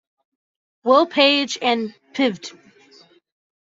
Will Paige, and Pvt.